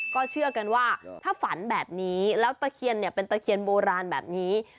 ก็เชื่อกันว่าถ้าฝันแบบนี้แล้วตะเคียนเนี่ยเป็นตะเคียนโบราณแบบนี้